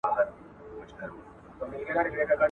زما له تندي زما له قسمته به خزان وي تللی !.